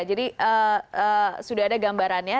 jadi sudah ada gambarannya